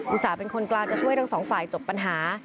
ส่าห์เป็นคนกลางจะช่วยทั้งสองฝ่ายจบปัญหา